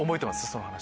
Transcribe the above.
その話。